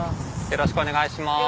よろしくお願いします。